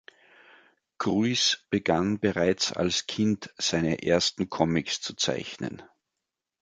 Kruis begann bereits als Kind, seine ersten Comics zu zeichnen.